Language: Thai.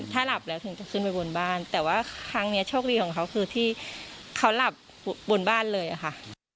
ถ้าหลับแล้วถึงจะขึ้นไปบนบ้านแต่ว่าครั้งนี้โชคดีของเขาคือที่เขาหลับบนบ้านเลยค่ะ